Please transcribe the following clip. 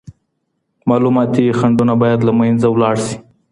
معلوماتي خنډونه باید له منځه لاړ سي.